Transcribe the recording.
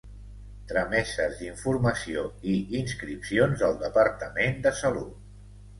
Trameses d'informació i inscripcions del Departament de Salut.